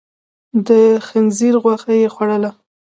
د خنزير غوښه يې خوړله.